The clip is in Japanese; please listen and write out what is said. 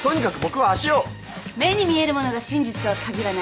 目に見えるものが真実とは限らない。